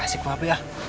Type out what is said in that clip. gak asik pak pi ah